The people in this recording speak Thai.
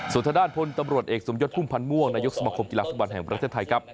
สุธดาลพลตำรวจเอกสมยดพุ่มพันธ์ม่วงนายกสมคมกีฬาศักดิ์วันแห่งประเทศไทยครับ